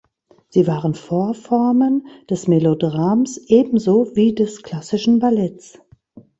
Sie waren Vorformen des Melodrams ebenso wie des klassischen Balletts.